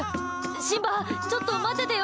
シンバちょっと待っててよ